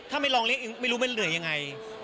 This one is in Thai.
ถ้าไม่ลองเรียกเองไม่รู้มันเหนื่อยยังไง